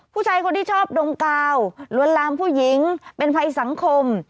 ผู้ชายคนที่ชอบดมกาวล้วนลามผู้หญิงเป็นภัยสังคม